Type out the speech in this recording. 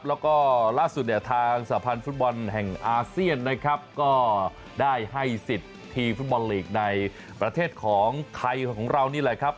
แล้วก็ล่าสุดเนี่ยทางสาพันธ์ฟุตบอลแห่งอาเซียนนะครับก็ได้ให้สิทธิ์ทีมฟุตบอลลีกในประเทศของไทยของเรานี่แหละครับ